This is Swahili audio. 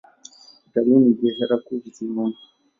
Utalii ni biashara kuu visiwani.